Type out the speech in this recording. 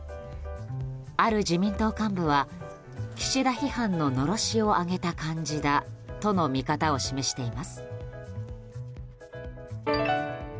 ある自民党幹部は岸田批判ののろしを上げた感じだとの見方を示しています。